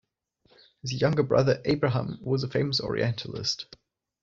His younger brother Abraham was a famous orientalist.